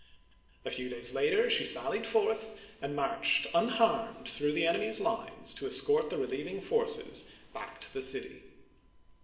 A few days later she sallied forth and marched unharmed through the enemy's lines to escort the relieving forces back to the city.